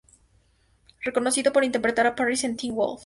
Reconocido por interpretar a Parrish en "Teen Wolf".